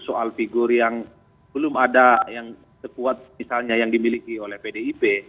soal figur yang belum ada yang sekuat misalnya yang dimiliki oleh pdip